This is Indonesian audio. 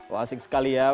wah asik sekali ya